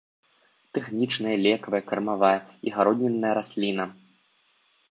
Тэхнічная, лекавая, кармавая і гароднінная расліна.